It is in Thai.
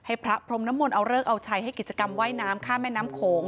พระพรมน้ำมนต์เอาเลิกเอาชัยให้กิจกรรมว่ายน้ำข้ามแม่น้ำโขง